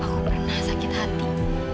aku pernah sakit hati